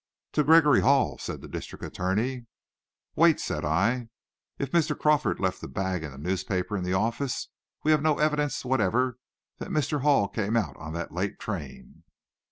"To Gregory Hall," said the district attorney. "Wait," said I. "If Mr. Crawford left the bag and the newspaper in the office, we have no evidence whatever that Mr. Hall came out on that late train."